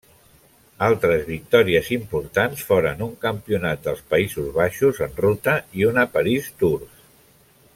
Altres victòries importants foren un Campionat dels Països Baixos en ruta i una París-Tours.